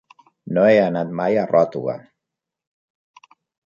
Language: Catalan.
No he anat mai a Ròtova.